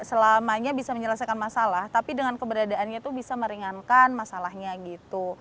selamanya bisa menyelesaikan masalah tapi dengan keberadaannya itu bisa meringankan masalahnya gitu